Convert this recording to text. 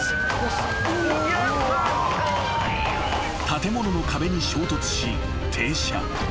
［建物の壁に衝突し停車］